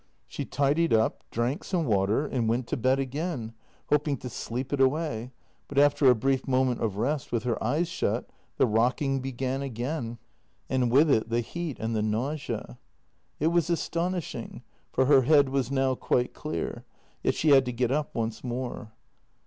She tidied up, drank some water, and went to bed again, hoping to sleep it away, but after a brief moment of rest, with her eyes shut, the rocking began again and with it the heat and the nausea. It was astonishing, for her head was now quite clear — yet she had to get up once more.